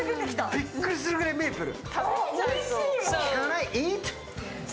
びっくりするくらいメープル。